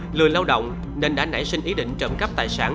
lười lao động nên đã nảy sinh ý định trộm cắp tài sản